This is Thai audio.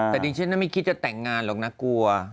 แต่ดิฉันไม่คิดจะแต่งงานหรอกนะกลัว